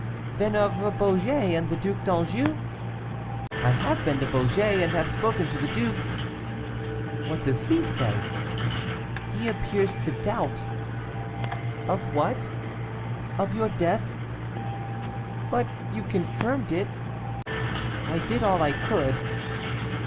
'Then of Beaugé, and the Duc d'Anjou?' 'I have been to Beaugé, and have spoken to the duke.' 'What does he say?' 'He appears to doubt.' 'Of what?' 'Of your death.' 'But you confirmed it?' 'I did all I could.